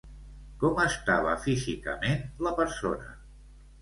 Com estava físicament la persona?